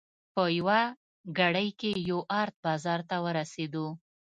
په یوه ګړۍ کې یو ارت بازار ته ورسېدو.